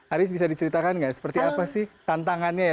aris bisa diceritakan nggak seperti apa sih tantangannya ya